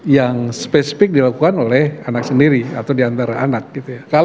yang spesifik dilakukan oleh anak sendiri atau di antara anak gitu ya